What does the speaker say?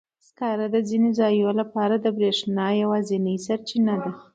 سکاره د ځینو ځایونو لپاره د برېښنا یوازینی سرچینه ده.